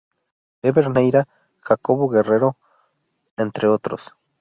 Ever Neyra, Jacobo Guerrero, entre otros.